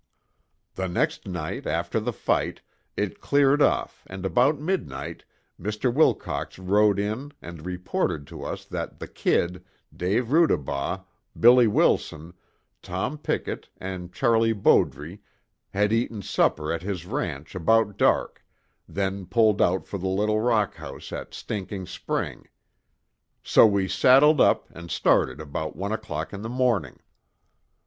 The next night, after the fight, it cleared off and about midnight, Mr. Wilcox rode in and reported to us that the "Kid," Dave Rudabaugh, Billy Wilson, Tom Pickett, and Charlie Bowdre, had eaten supper at his ranch about dark, then pulled out for the little rock house at Stinking Spring. So we saddled up and started about one o'clock in the morning.